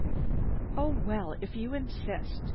"Oh well, if you insist!"